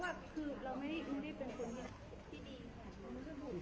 ซานแรกคิดว่าทีมนี้เป็นทีมที่ค้นชอบก็เลยไปตามหาวนั้นอ่ะแล้วมันเป็นรูปใหม่ด้วย